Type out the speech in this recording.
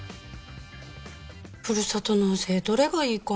ふるさと納税、どれがいいかな？